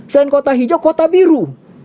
kota hijau kota biru